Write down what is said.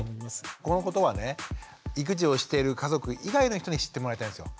このことは育児をしてる家族以外の人に知ってもらいたいんですよ。